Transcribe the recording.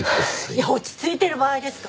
いや落ち着いてる場合ですか。